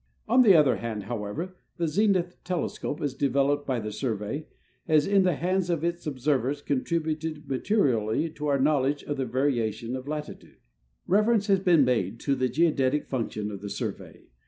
On the other hand, however, the zenith telescope, as developed by the Survey, has in the hands of its observers contributed materially to our knowl edge of the variation of latitude. Reference has been made to the geodetic function of the Sur vey.